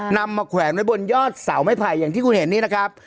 นำมาแขวนไว้บนยอดเสาไม้ไผ่อย่างที่คุณเห็นนี่นะครับ